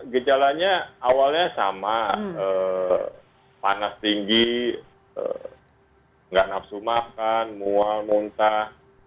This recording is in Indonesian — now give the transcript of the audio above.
gejalanya awalnya sama panas tinggi nggak nafsu makan mual muntah